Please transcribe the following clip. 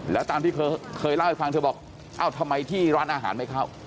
แล้วตามที่เคยเล่าให้ฟังเธอบอกเอ้าทำไมที่ร้านอาหารไม่เข้า